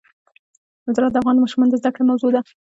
زراعت د افغان ماشومانو د زده کړې موضوع ده.